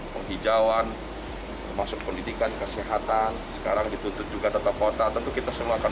penghijauan termasuk pendidikan kesehatan sekarang dituntut juga tetap kota tentu kita semua akan